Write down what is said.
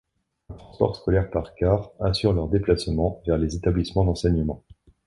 Un transport scolaire par cars assure leurs déplacements vers les établissements d'enseignement.